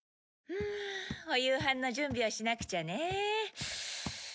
お夕飯の準備をしなくちゃね。